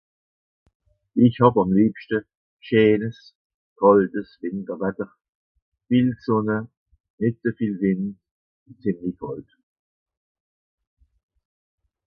Ich hàb àm liebschte scheenes, kàltes Winterwatter: viel Sonne, nitt zü viel Wind un zemli kàlt